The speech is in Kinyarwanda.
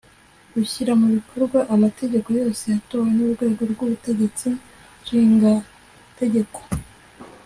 rushyira mubikorwa amategeko yose yatowe n'urwego rw'ubutegetsi nshingategeko